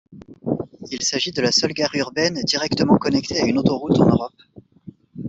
Il s'agit de la seule gare urbaine directement connectée à une autoroute, en Europe.